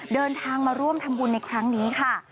เดินทางมาร่วมทำบุญในครั้งนี้ค่ะ